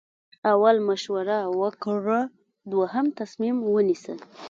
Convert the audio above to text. اول مشوره وکړه دوهم تصمیم ونیسه.